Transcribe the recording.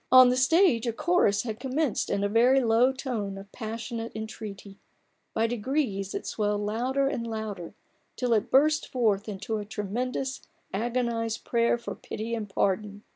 On the stage a chorus had commenced in a very low tone of passionate entreaty ; by degrees it swelled louder and louder, till it burst forth into a tremendous agonized prayer for pity and pardon.